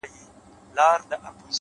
مهرباني د اړیکو واټن لنډوي’